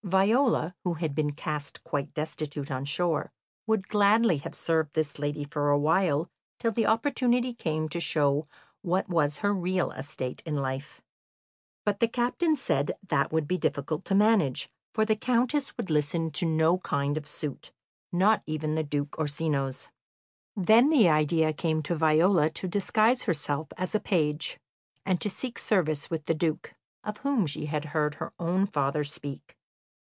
Viola, who had been cast quite destitute on shore, would gladly have served this lady for awhile till the opportunity came to show what was her real estate in life; but the captain said that would be difficult to manage, for the Countess would listen to no kind of suit, not even the Duke Orsino's. Then the idea came to Viola to disguise herself as a page, and to seek service with the Duke, of whom she had heard her own father speak.